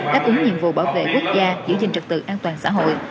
đáp ứng nhiệm vụ bảo vệ quốc gia giữ gìn trật tự an toàn xã hội